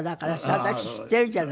私知っているじゃない。